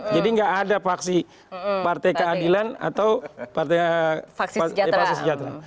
jadi tidak ada faksi keadilan atau faksi sejahtera